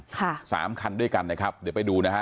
สามคันด้วยกันนะครับเดี๋ยวไปดูนะฮะ